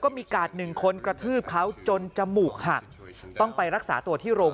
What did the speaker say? มีกาดหนึ่งคนกระทืบเขาจนจมูกหักต้องไปรักษาตัวที่โรง